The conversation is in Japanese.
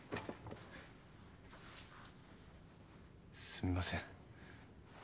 すみません。